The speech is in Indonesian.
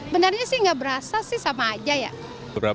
benarnya sih nggak berasa sih sama aja ya